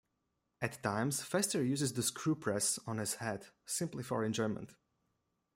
At times Fester uses the screw press on his head simply for enjoyment.